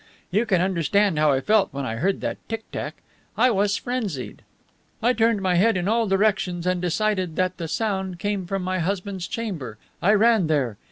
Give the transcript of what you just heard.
You can understand how I felt when I heard that tick tack. I was frenzied. I turned my head in all directions, and decided that the sound came from my husband's chamber. I ran there.